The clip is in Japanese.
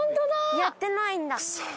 やってないんだ。